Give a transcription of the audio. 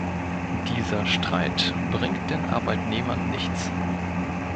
Dieser Streit bringt den Arbeitnehmern nichts.